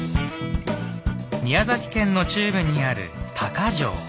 宮崎県の中部にある高城。